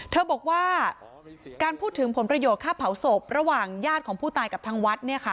เธอบอกว่าการพูดถึงผลประโยชน์ค่าเผาศพระหว่างญาติของผู้ตายกับทางวัด